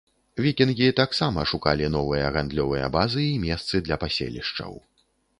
Вікінгі таксама шукалі новыя гандлёвыя базы і месцы для паселішчаў.